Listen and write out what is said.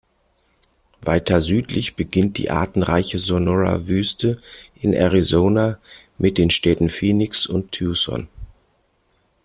Weiter südlich beginnt die artenreiche Sonora-Wüste in Arizona mit den Städten Phoenix und Tucson.